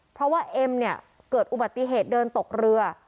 เพราะว่าเอ็มเนี่ยเกิดอุบัติเหตุเดินตกเรือ